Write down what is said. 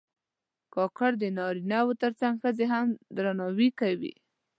کاکړ د نارینه و تر څنګ ښځې هم درناوي کوي.